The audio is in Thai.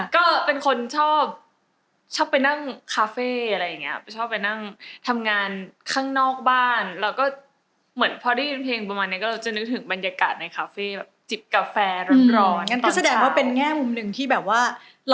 คือแสดงว่าเป็นแง่มุมหนึ่งที่แบบว่า